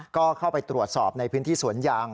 ก็เข้าไปตรวจสอบในพื้นที่สวนยาง